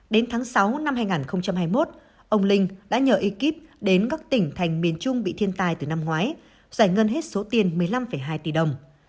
đến tháng sáu năm hai nghìn hai mươi một ông linh đã nhờ ekip đến các tỉnh thành miền trung bị thiên tài từ năm ngoái giải ngân hết số tiền một mươi năm hai tỷ đồng